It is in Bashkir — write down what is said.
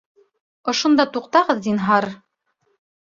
Ошонда туҡтағыҙ, зинһар